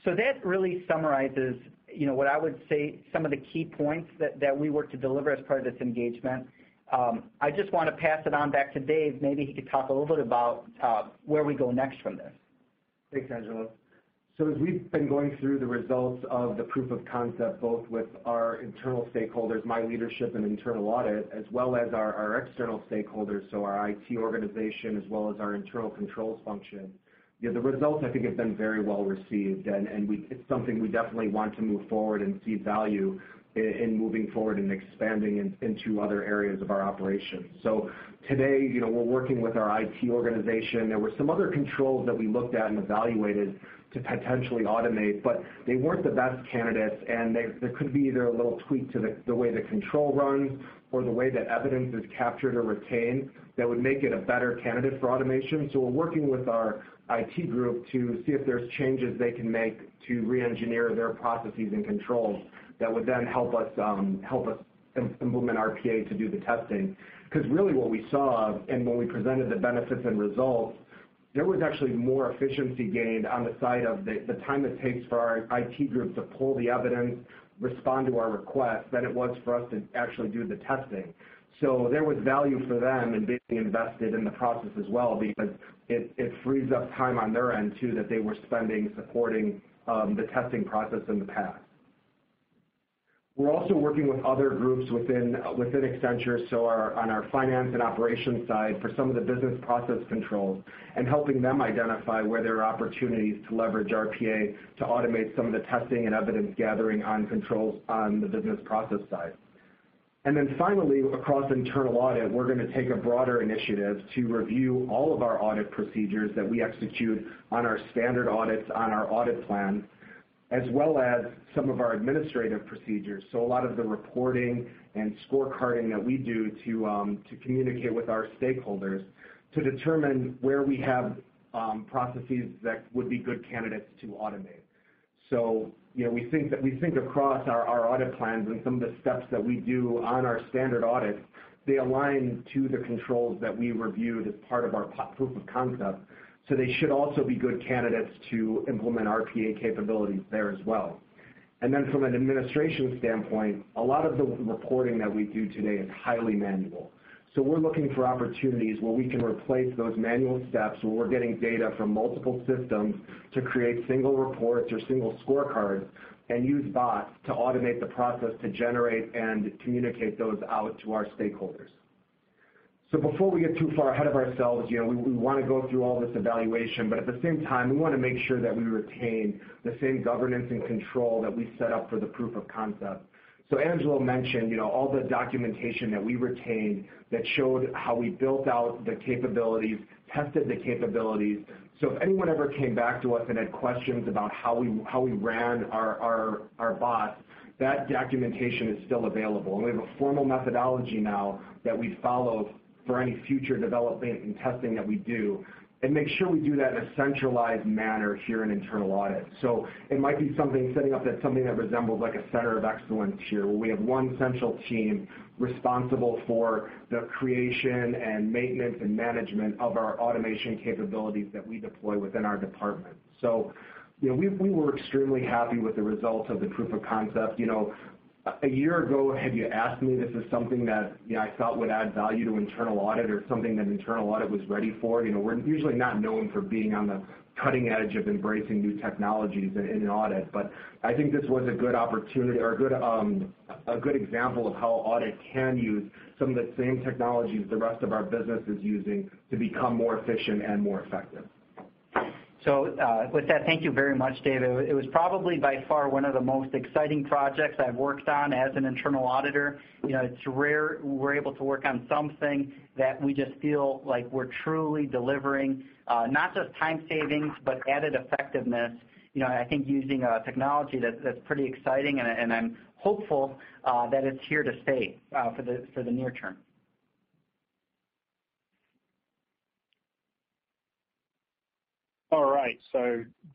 That really summarizes what I would say some of the key points that we worked to deliver as part of this engagement. I just want to pass it on back to Dave. Maybe he could talk a little bit about where we go next from this. Thanks, Angelo. As we've been going through the results of the proof of concept, both with our internal stakeholders, my leadership and internal audit, as well as our external stakeholders, our IT organization as well as our internal controls function. The results, I think, have been very well received, and it's something we definitely want to move forward and see value in moving forward and expanding into other areas of our operations. Today, we're working with our IT organization. There were some other controls that we looked at and evaluated to potentially automate, but they weren't the best candidates, and there could be either a little tweak to the way the control runs or the way that evidence is captured or retained that would make it a better candidate for automation. We're working with our IT group to see if there's changes they can make to re-engineer their processes and controls that would then help us implement RPA to do the testing. Really what we saw, and when we presented the benefits and results, there was actually more efficiency gained on the side of the time it takes for our IT group to pull the evidence, respond to our requests, than it was for us to actually do the testing. There was value for them in being invested in the process as well because it frees up time on their end, too, that they were spending supporting the testing process in the past. We're also working with other groups within Accenture, on our finance and operations side for some of the business process controls, and helping them identify where there are opportunities to leverage RPA to automate some of the testing and evidence gathering on controls on the business process side. Finally, across internal audit, we're going to take a broader initiative to review all of our audit procedures that we execute on our standard audits on our audit plan, as well as some of our administrative procedures. A lot of the reporting and scorecarding that we do to communicate with our stakeholders to determine where we have processes that would be good candidates to automate. We think across our audit plans and some of the steps that we do on our standard audits, they align to the controls that we reviewed as part of our proof of concept. They should also be good candidates to implement RPA capabilities there as well. From an administration standpoint, a lot of the reporting that we do today is highly manual. We're looking for opportunities where we can replace those manual steps where we're getting data from multiple systems to create single reports or single scorecards and use bots to automate the process to generate and communicate those out to our stakeholders. Before we get too far ahead of ourselves, we want to go through all this evaluation, but at the same time, we want to make sure that we retain the same governance and control that we set up for the proof of concept. Angelo mentioned all the documentation that we retained that showed how we built out the capabilities, tested the capabilities. If anyone ever came back to us and had questions about how we ran our bots, that documentation is still available, and we have a formal methodology now that we follow for any future development and testing that we do, and make sure we do that in a centralized manner here in internal audit. It might be setting up something that resembles a center of excellence here, where we have one central team responsible for the creation and maintenance and management of our automation capabilities that we deploy within our department. We were extremely happy with the results of the proof of concept. A year ago, had you asked me if this is something that I felt would add value to internal audit or something that internal audit was ready for, we're usually not known for being on the cutting edge of embracing new technologies in audit. I think this was a good example of how audit can use some of the same technologies the rest of our business is using to become more efficient and more effective. With that, thank you very much, Dave. It was probably by far one of the most exciting projects I've worked on as an internal auditor. It's rare we're able to work on something that we just feel like we're truly delivering, not just time savings, but added effectiveness. I think using a technology that's pretty exciting, and I'm hopeful that it's here to stay for the near term. All right.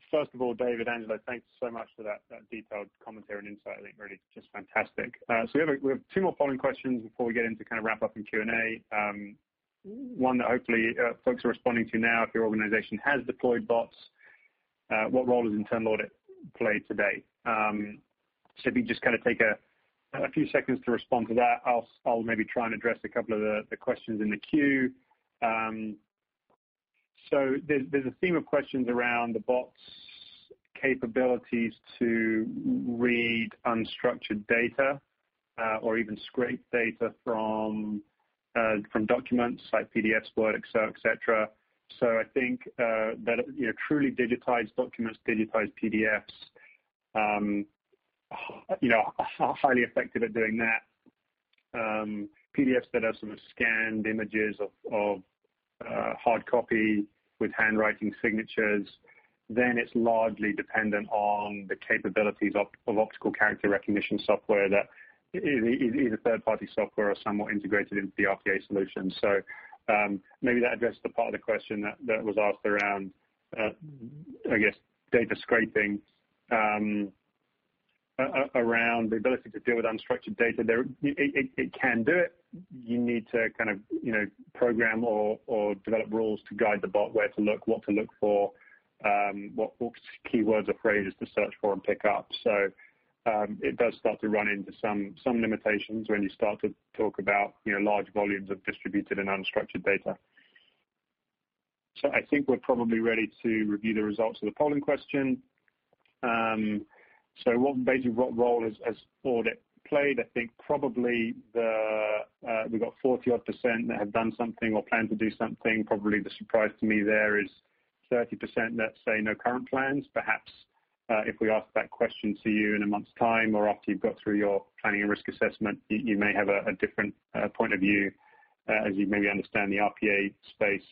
First of all, Dave, Angelo, thanks so much for that detailed commentary and insight. I think really just fantastic. We have two more polling questions before we get into kind of wrap up and Q&A. One that hopefully folks are responding to now, if your organization has deployed bots, what role does internal audit play today? If you just kind of take a few seconds to respond to that, I'll maybe try and address a couple of the questions in the queue. There's a theme of questions around the bots' capabilities to read unstructured data or even scrape data from documents like PDFs, Word, Excel, et cetera. I think that truly digitized documents, digitized PDFs, are highly effective at doing that. PDFs that are sort of scanned images of hard copy with handwriting signatures, then it's largely dependent on the capabilities of optical character recognition software that is either third-party software or somewhat integrated into the RPA solution. Maybe that addressed the part of the question that was asked around, I guess, data scraping, around the ability to deal with unstructured data there. It can do it. You need to kind of program or develop rules to guide the bot where to look, what to look for, what keywords or phrases to search for and pick up. It does start to run into some limitations when you start to talk about large volumes of distributed and unstructured data. I think we're probably ready to review the results of the polling question. Basically, what role has audit played? I think probably we got 40-odd% that have done something or plan to do something. Probably the surprise to me there is 30% that say, "No current plans." Perhaps, if we ask that question to you in a month's time or after you've got through your planning and risk assessment, you may have a different point of view as you maybe understand the RPA space,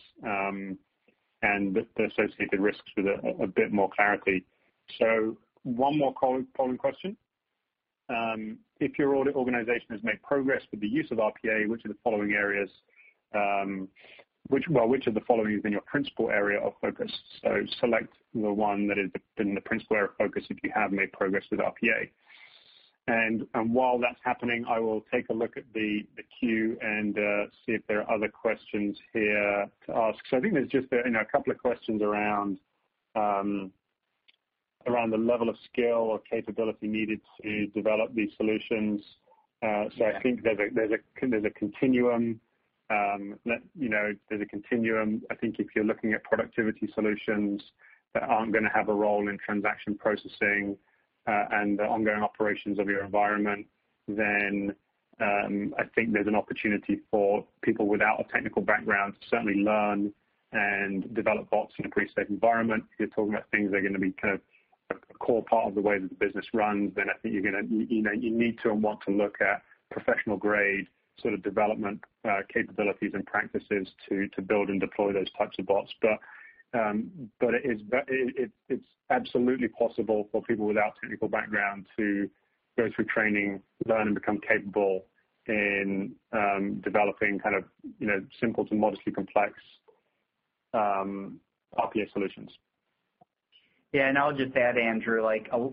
and the associated risks with a bit more clarity. One more polling question. If your audit organization has made progress with the use of RPA, which of the following has been your principal area of focus? Select the one that has been the principal area of focus if you have made progress with RPA. While that's happening, I will take a look at the queue and see if there are other questions here to ask. I think there's just a couple of questions around the level of skill or capability needed to develop these solutions. I think there's a continuum. I think if you're looking at productivity solutions that aren't going to have a role in transaction processing and the ongoing operations of your environment, then, I think there's an opportunity for people without a technical background to certainly learn and develop bots in a pretty safe environment. If you're talking about things that are going to be kind of a core part of the way that the business runs, then I think you need to and want to look at professional-grade sort of development capabilities and practices to build and deploy those types of bots. It's absolutely possible for people without technical background to go through training, learn, and become capable in developing kind of simple to modestly complex RPA solutions. I'll just add, Andrew,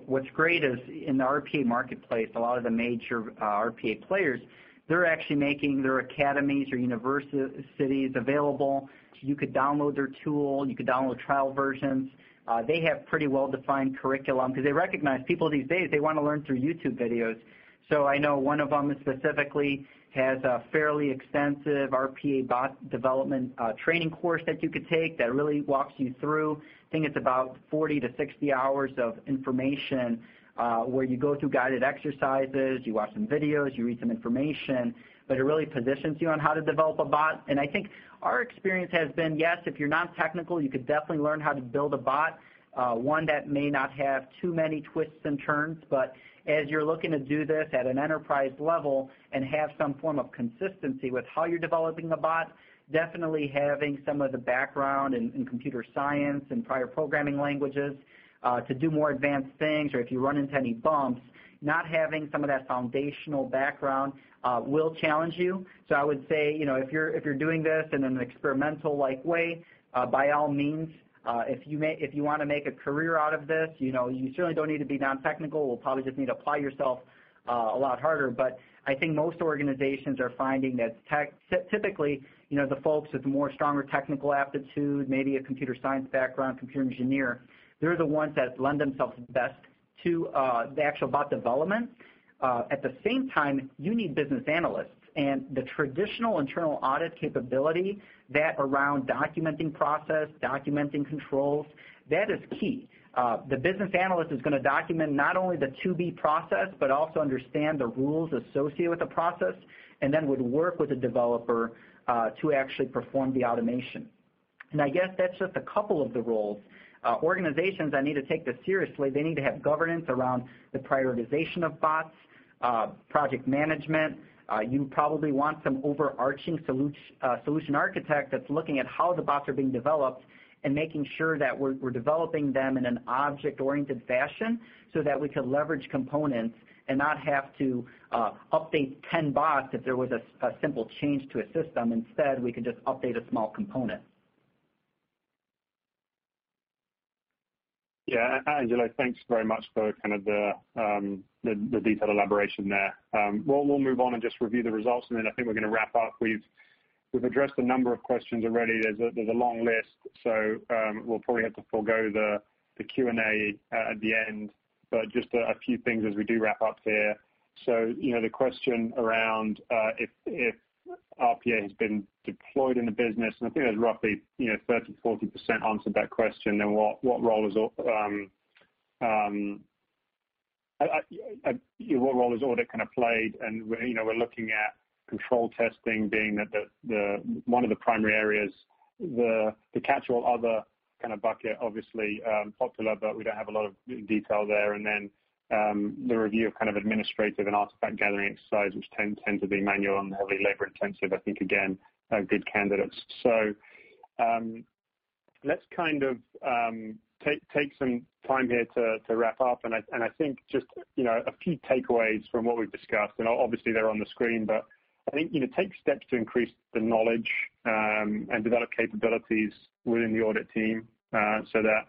what's great is in the RPA marketplace, a lot of the major RPA players, they're actually making their academies or universities available. You could download their tool, you could download trial versions. They have pretty well-defined curriculum because they recognize people these days, they want to learn through YouTube videos. I know one of them specifically has a fairly extensive RPA bot development training course that you could take that really walks you through. I think it's about 40 to 60 hours of information, where you go through guided exercises, you watch some videos, you read some information, but it really positions you on how to develop a bot. I think our experience has been, yes, if you're non-technical, you could definitely learn how to build a bot, one that may not have too many twists and turns. As you're looking to do this at an enterprise level and have some form of consistency with how you're developing a bot, definitely having some of the background in computer science and prior programming languages to do more advanced things, or if you run into any bumps, not having some of that foundational background will challenge you. I would say, if you're doing this in an experimental-like way, by all means, if you want to make a career out of this, you certainly don't need to be non-technical. You'll probably just need to apply yourself a lot harder. I think most organizations are finding that typically, the folks with more stronger technical aptitude, maybe a computer science background, computer engineer, they're the ones that lend themselves best to the actual bot development. At the same time, you need business analysts. The traditional internal audit capability, that around documenting process, documenting controls, that is key. The business analyst is going to document not only the to-be process, but also understand the rules associated with the process, and then would work with the developer to actually perform the automation. I guess that's just a couple of the roles. Organizations that need to take this seriously, they need to have governance around the prioritization of bots, project management. You probably want some overarching solution architect that's looking at how the bots are being developed and making sure that we're developing them in an object-oriented fashion so that we could leverage components and not have to update 10 bots if there was a simple change to a system. Instead, we could just update a small component. Yeah. Angelo, thanks very much for kind of the detailed elaboration there. We'll move on and just review the results, and then I think we're going to wrap up. We've addressed a number of questions already. There's a long list, so we'll probably have to forego the Q&A at the end. Just a few things as we do wrap up here. The question around if RPA has been deployed in the business, and I think there's roughly 30%-40% answered that question, then what role is audit kind of played? We're looking at control testing being one of the primary areas. The catch-all other kind of bucket, obviously, popular, but we don't have a lot of detail there. The review of kind of administrative and artifact-gathering exercises tend to be manual and heavily labor-intensive, I think, again, are good candidates. Let's kind of take some time here to wrap up, and I think just a few takeaways from what we've discussed, and obviously they're on the screen, but I think take steps to increase the knowledge, and develop capabilities within the audit team, so that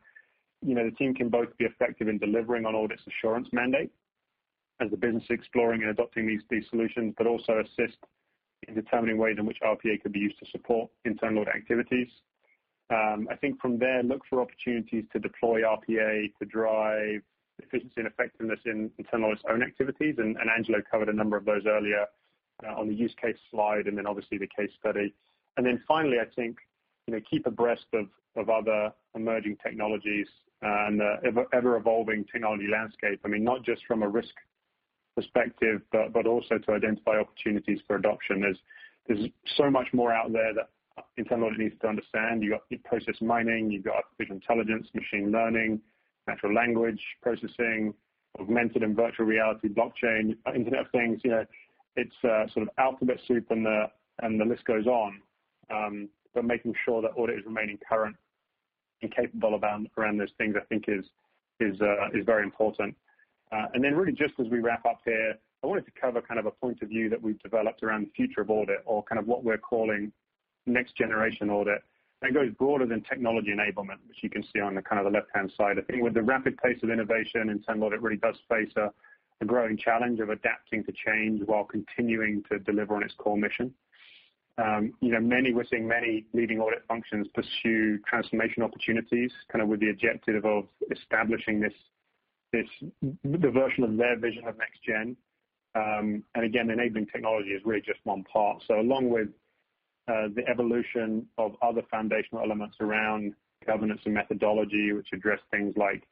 the team can both be effective in delivering on audit's assurance mandate as the business exploring and adopting these solutions, but also assist in determining ways in which RPA could be used to support internal activities. I think from there, look for opportunities to deploy RPA to drive efficiency and effectiveness in internal audit's own activities, and Angelo covered a number of those earlier on the use case slide, and then obviously the case study. Finally, I think keep abreast of other emerging technologies and the ever-evolving technology landscape. I mean, not just from a risk perspective, but also to identify opportunities for adoption. There's so much more out there that internal audit needs to understand. You've got process mining, you've got artificial intelligence, machine learning, natural language processing, augmented and virtual reality, blockchain, Internet of Things. It's sort of alphabet soup, and the list goes on. Making sure that audit is remaining current and capable around those things, I think is very important. Really just as we wrap up here, I wanted to cover kind of a point of view that we've developed around the future of audit or kind of what we're calling next-generation audit. That goes broader than technology enablement, which you can see on the kind of the left-hand side. I think with the rapid pace of innovation, internal audit really does face a growing challenge of adapting to change while continuing to deliver on its core mission. We're seeing many leading audit functions pursue transformation opportunities, kind of with the objective of establishing the version of their vision of next-gen. Again, enabling technology is really just one part. Along with the evolution of other foundational elements around governance and methodology, which address things like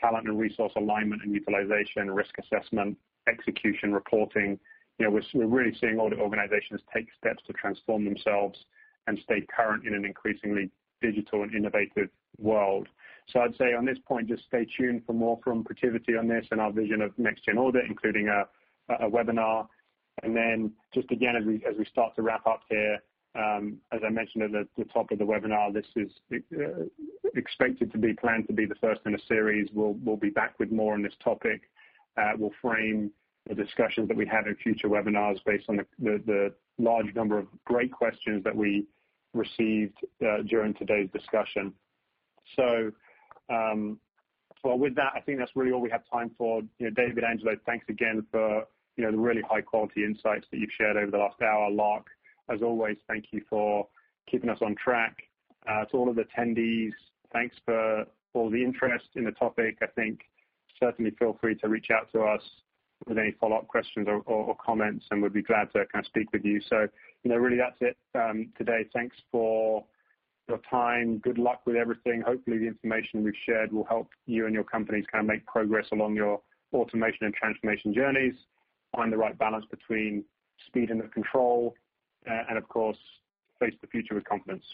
talent and resource alignment and utilization, risk assessment, execution, reporting, we're really seeing audit organizations take steps to transform themselves and stay current in an increasingly digital and innovative world. I'd say on this point, just stay tuned for more from Protiviti on this and our vision of next-gen audit, including a webinar. Then just again, as we start to wrap up here, as I mentioned at the top of the webinar, this is expected to be planned to be the first in a series. We'll be back with more on this topic. We'll frame the discussions that we have in future webinars based on the large number of great questions that we received during today's discussion. With that, I think that's really all we have time for. David, Angelo, thanks again for the really high-quality insights that you've shared over the last hour. Lark, as always, thank you for keeping us on track. To all of the attendees, thanks for all the interest in the topic. I think certainly feel free to reach out to us with any follow-up questions or comments, and we'd be glad to kind of speak with you. Really, that's it today. Thanks for your time. Good luck with everything. Hopefully, the information we've shared will help you and your companies kind of make progress along your automation and transformation journeys, find the right balance between speed and the control, and of course, face the future with confidence.